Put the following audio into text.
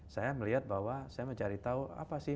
saya melihat bahwa saya mencari tahu apa sih